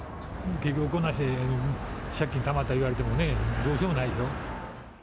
結局こんなんして、借金たまった言われてもね、どうしようもないでしょ。